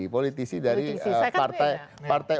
politisi dari partai partai